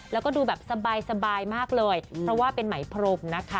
แล้วก็ดูแบบสบายมากเลยเพราะว่าเป็นไหมพรมนะคะ